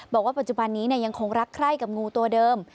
บอกว่าปัจจุบันนี้ยังคงรักใคร่กับงูตัวเดิม